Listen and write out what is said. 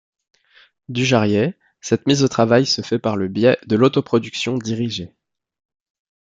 Dujarier, cette mise au travail se fait par le biais de l'autoproduction dirigée.